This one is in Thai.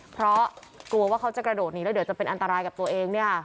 เพราะกลัวว่าเขาจะกระโดดหนีแล้วเดี๋ยวจะเป็นอันตรายกับตัวเองเนี่ย